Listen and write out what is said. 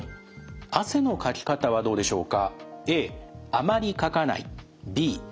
汗のかき方はどうでしょうか？